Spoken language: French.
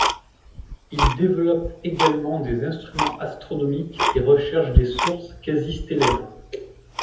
Il développe également des instruments astronomiques et recherche des sources quasi stellaires.